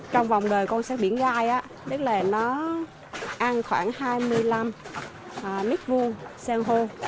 trong vòng đời con xác biển gai tức là nó ăn khoảng hai mươi năm mít vuông sang hô